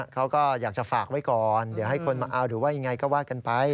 เขาก็อยากจะฝากไว้ก่อนเดี๋ยวให้คนมาเอาหรือว่ายังไงก็ว่ากันไป